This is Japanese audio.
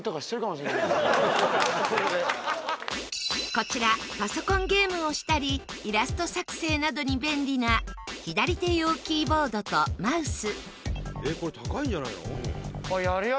こちらパソコンゲームをしたりイラスト作成などに便利な左手用キーボードとマウス。